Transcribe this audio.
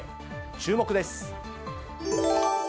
注目です。